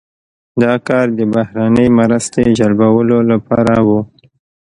دا کار د بهرنۍ مرستې جلبولو لپاره و.